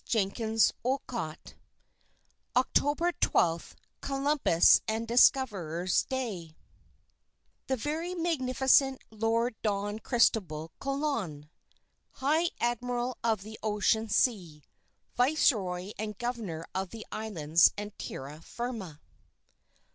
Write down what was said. Merrill_ OCTOBER 12 COLUMBUS AND DISCOVERER'S DAY _The Very Magnificent Lord Don Cristobal Colon, High Admiral of the Ocean Sea, Viceroy and Governor of the Islands and Tierra Firma.